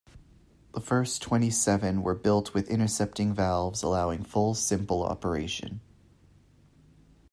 The first twenty-seven were built with intercepting valves allowing full simple operation.